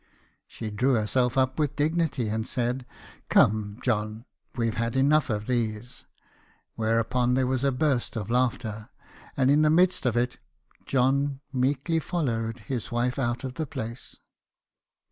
She drew herself up with dignity, and said "Come, John, we 've had enough of these." Whereupon there was a burst of laughter, and in the midst of it John meekly followed his wife out of the place.